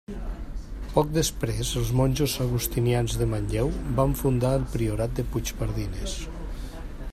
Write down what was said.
Poc després els monjos agustinians de Manlleu van fundar el Priorat de Puigpardines.